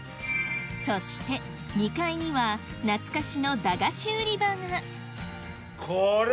そして２階には懐かしの駄菓子売り場がこれ！